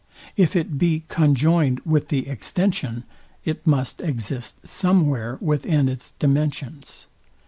If it be conjoined with the extension, it must exist somewhere within its dimensions.